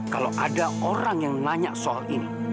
kalau ada orang yang nanya soal ini